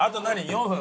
４分？